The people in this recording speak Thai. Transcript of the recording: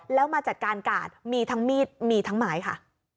แล้วมาจัดการกาดมีทั้งมีดมีทั้งไม้ค่ะ